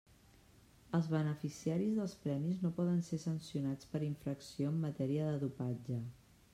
Els beneficiaris dels premis no poden ser sancionats per infracció en matèria de dopatge.